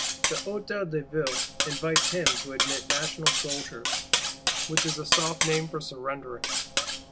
The Hôtel de Ville "invites" him to admit National Soldiers, which is a soft name for surrendering.